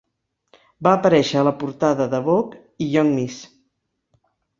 Va aparèixer a la portada de "Vogue" i "Young Miss".